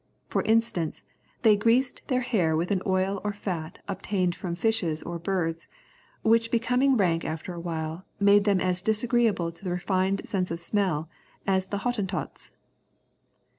For instance, they greased their hair with an oil or fat obtained from fishes or birds, which becoming rank after awhile, made them as disagreeable to a refined sense of smell as the Hottentots.